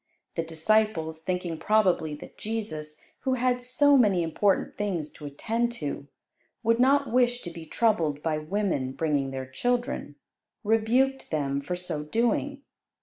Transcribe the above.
The disciples thinking probably that Jesus, who had so many important things to attend to, would not wish to be troubled by women bringing their children, rebuked them for so doing.